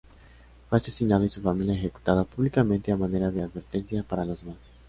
Fue asesinado y su familia ejecutada públicamente a manera de advertencia para los demás.